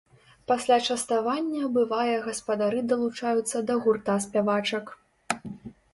Пасля частавання, бывае, гаспадары далучаюцца да гурта спявачак.